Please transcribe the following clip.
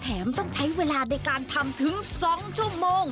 ต้องใช้เวลาในการทำถึง๒ชั่วโมง